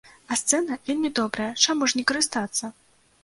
А сцэна вельмі добрая, чаму ж не карыстацца?!